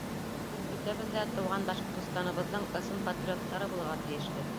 — Беҙ бөтәбеҙ ҙә тыуған Башҡортостаныбыҙҙың ысын патриоттары булырға тейешбеҙ.